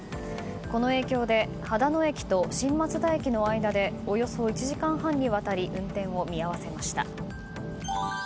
この影響で秦野駅と新松田駅の間でおよそ１時間半にわたり運転を見合わせました。